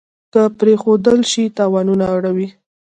که پرېښودل شي تاوانونه اړوي.